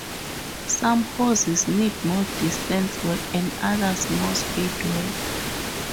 Some horses need more distance work and others more speed work.